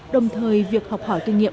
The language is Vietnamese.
đồng thời việc học hỏi kinh nghiệm